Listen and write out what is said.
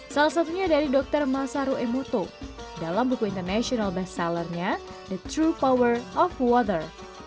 salah satunya dari dokter masaru emoto dalam buku international bestsellernya the true power of water